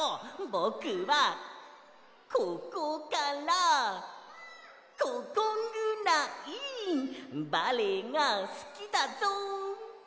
ぼくはここからここぐらいバレエがすきだぞ！